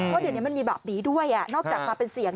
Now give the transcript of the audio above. ว่าเดี๋ยวนี้มันมีแบบนี้ด้วยนอกจากมาเป็นเสียง